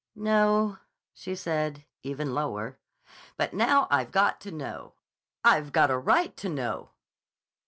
"No," she said, even lower. "But now I've got to know. I've got a right to know."